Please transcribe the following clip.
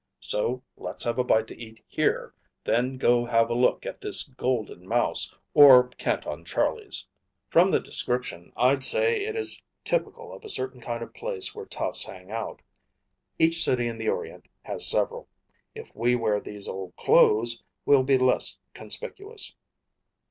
"So let's have a bite to eat here, then go have a look at this Golden Mouse, or Canton Charlie's. From the description, I'd say it is typical of a certain kind of place where toughs hang out. Each city in the Orient has several. If we wear these old clothes, we'll be less conspicuous."